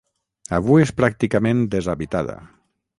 Avui és pràcticament deshabitada.